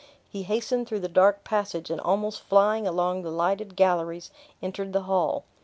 He hastened through the dark passage, and almost flying along the lighted galleries, entered the hall.